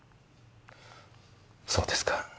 そうですか。